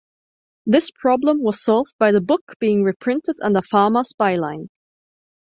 This problem was solved by the book being reprinted under Farmer's by-line.